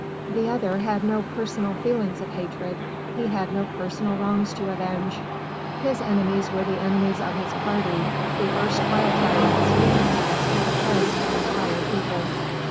The other had no personal feelings of hatred: he had no personal wrongs to avenge: his enemies were the enemies of his party, the erstwhile tyrants who in the past had oppressed an entire people.